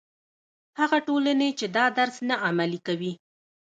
هغه ټولنې چې دا درس نه عملي کوي.